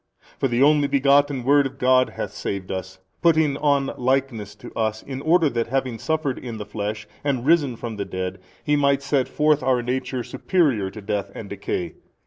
For the Only Begotten Word of God hath saved us, putting on likeness to us in order that having suffered in the flesh and risen from the dead He might set forth our nature superior to death and decay.